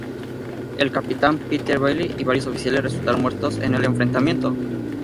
El capitán Peter Baily y varios oficiales resultaron muertos en el enfrentamiento.